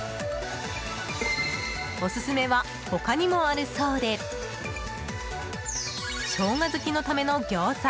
オススメは他にもあるそうで生姜好きのためのギョーザ